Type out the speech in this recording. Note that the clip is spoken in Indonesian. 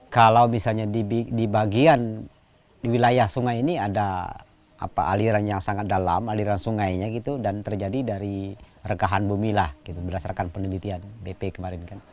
kalau misalnya di bagian di wilayah sungai ini ada aliran yang sangat dalam aliran sungainya gitu dan terjadi dari rekahan bumi lah gitu berdasarkan penelitian bp kemarin kan